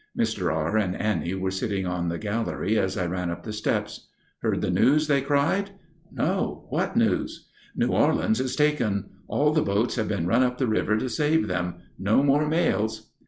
Mr. R. and Annie were sitting on the gallery as I ran up the steps. "Heard the news?" they cried. "No. What news?" "New Orleans is taken! All the boats have been run up the river to save them. No more mails."